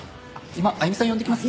今あゆみさん呼んできます。